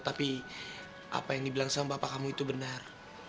tapi apa yang dibilang sama bapak kamu itu benar